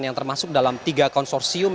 yang termasuk dalam tiga konsorsium